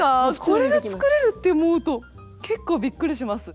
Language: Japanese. これで作れるって思うと結構びっくりします。